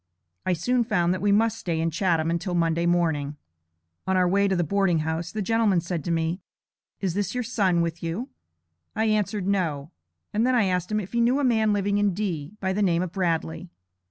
I soon found that we must stay in Chatham until Monday morning. On our way to the boarding house, the gentleman said to me: 'Is this your son with you?' I answered, no; and then I asked him, if he knew a man living in D., by the name of Bradley.